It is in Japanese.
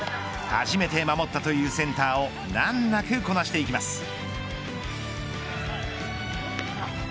初めて守ったというセンターを難なくこなしていきます。